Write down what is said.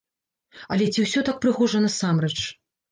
Але ці ўсё так прыгожа насамрэч?